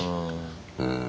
うん。